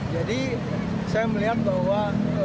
jadi saya melihat bahwa